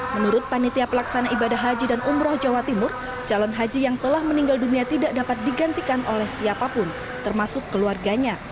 menurut panitia pelaksana ibadah haji dan umroh jawa timur calon haji yang telah meninggal dunia tidak dapat digantikan oleh siapapun termasuk keluarganya